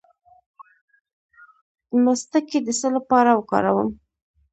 د مصطکي د څه لپاره وکاروم؟